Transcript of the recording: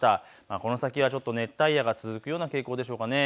この先はちょっと熱帯夜が続くような傾向でしょうかね。